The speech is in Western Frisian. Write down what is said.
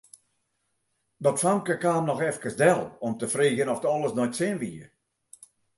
Dat famke kaam noch efkes del om te freegjen oft alles nei't sin wie.